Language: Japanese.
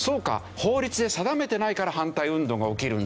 法律で定めてないから反対運動が起きるんだ。